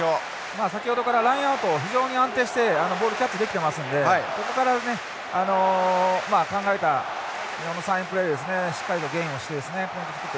先ほどからラインアウト非常に安定してボールをキャッチできていますのでここからね考えた日本のサインプレーでしっかりとゲインをしてポイント作っていきたいですね。